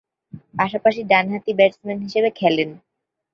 পাশাপাশি ডানহাতি ব্যাটসম্যান হিসেবে খেলেন।